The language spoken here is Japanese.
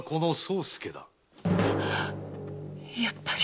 やっぱり！